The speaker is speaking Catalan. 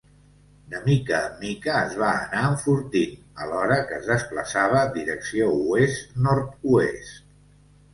De mica en mica es va anar enfortint alhora que es desplaçava en direcció oest-nord-oest.